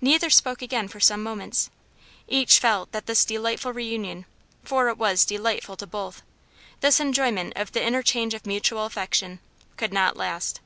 Neither spoke again for some moments. Each felt that this delightful reunion for it was delightful to both this enjoyment of the interchange of mutual affection, could not last.